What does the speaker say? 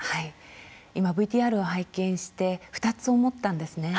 今ＶＴＲを拝見して２つ思ったんですね。